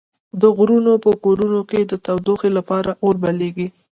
د غرونو په کورونو کې د تودوخې لپاره اور بليږي.